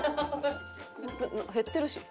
減ってるし。